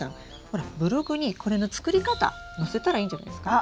ほらブログにこれの作り方載せたらいいんじゃないですか？